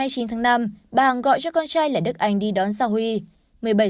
chiều hai mươi chín tháng năm bà hằng gọi cho con trai là đức anh đi đón giáo huy